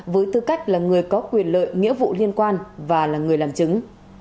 với tư cách là người có quyền lợi nghĩa vụ liên quan và là người làm chứng